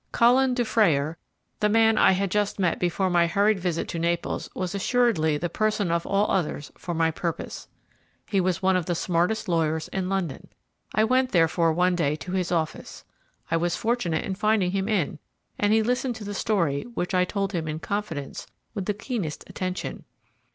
Colin Dufrayer, the man I had just met before my hurried visit to Naples, was assuredly the person of all others for my purpose. He was one of the smartest lawyers in London. I went therefore one day to his office. I was fortunate in finding him in, and he listened to the story, which I told him in confidence, with the keenest attention.